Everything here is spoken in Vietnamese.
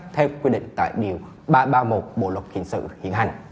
theo quy định tại điều ba trăm ba mươi một bộ luật hình sự hiện hành